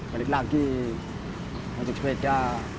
balik lagi masuk sepeda